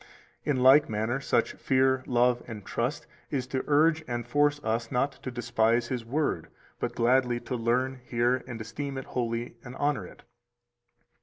In like manner such fear, love, and trust is to urge and force us not to despise His Word, but gladly to learn, hear, and esteem it holy, and honor it.